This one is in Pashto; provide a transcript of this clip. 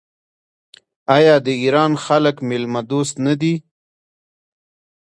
آیا د ایران خلک میلمه دوست نه دي؟